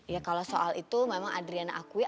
ya kalau soal itu memang adriana akui